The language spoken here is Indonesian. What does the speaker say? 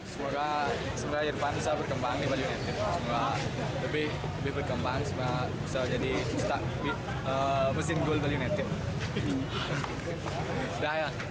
semoga irfan bisa berkembang di bali united semoga lebih berkembang semoga bisa jadi mesin gol bali united